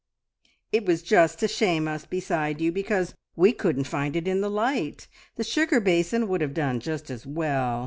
"It was just to shame us beside you, because we couldn't find it in the light. The sugar basin would have done just as well.